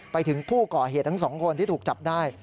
ไปถึงผู้ก่อเหตุทั้งสองคนที่ถูกจับได้